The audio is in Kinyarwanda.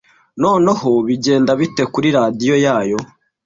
noneho bigenda bite kuri radiyo yayo